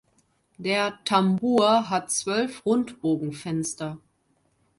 Der Tambour hat zwölf Rundbogenfenster.